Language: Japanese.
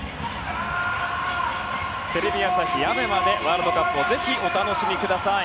テレビ朝日、ＡＢＥＭＡでワールドカップをぜひお楽しみください。